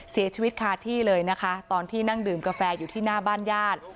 เสียชีวิตคาที่เลยนะคะตอนที่นั่งดื่มกาแฟอยู่ที่หน้าบ้านญาติ